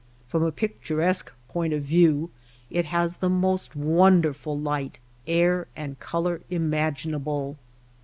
From a picturesque point of view it has the most wonderful light, air, and color imaginable.